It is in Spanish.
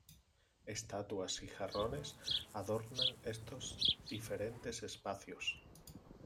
Estatuas y jarrones adornan estos diferentes espacios.